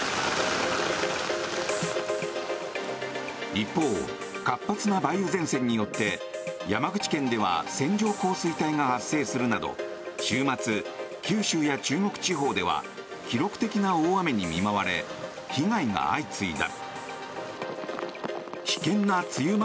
一方、活発な梅雨前線によって山口県では線状降水帯が発生するなど週末、九州や中国地方では記録的な大雨に見舞われ被害が相次いだ。